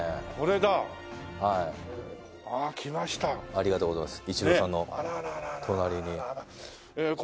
ありがとうございます。